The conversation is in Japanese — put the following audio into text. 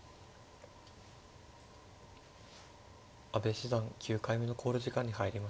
阿部七段９回目の考慮時間に入りました。